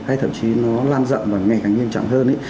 hay thậm chí nó lan rộng và ngày càng nghiêm trọng hơn